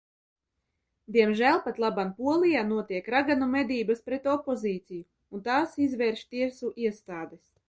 Diemžēl patlaban Polijā notiek raganu medības pret opozīciju, un tās izvērš tiesu iestādes.